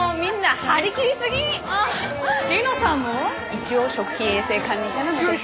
一応食品衛生管理者なので。